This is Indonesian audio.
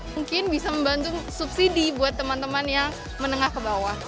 mungkin bisa membantu subsidi buat teman teman yang menengah ke bawah